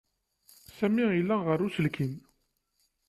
Sami yella ɣer uselkim.